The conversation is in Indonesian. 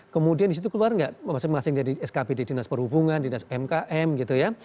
kemudian disitu keluar nggak masing masing dari skbd dinas perhubungan dinas mkm gitu ya